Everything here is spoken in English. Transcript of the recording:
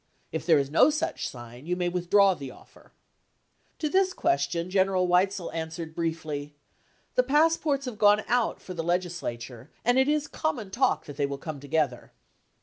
If there is no such sign, you may withdraw the offer." To this question General Weitzel answered briefly, " The passports have gone out for the legis lature, and it is common talk that they will come together."